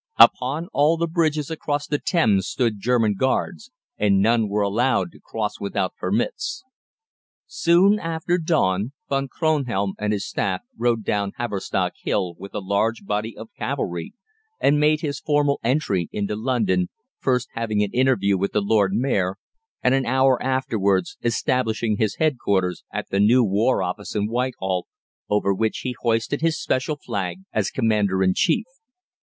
Upon all the bridges across the Thames stood German guards, and none were allowed to cross without permits. Soon after dawn Von Kronhelm and his staff rode down Haverstock Hill with a large body of cavalry, and made his formal entry into London, first having an interview with the Lord Mayor, and an hour afterwards establishing his headquarters at the new War Office in Whitehall, over which he hoisted his special flag as Commander in Chief.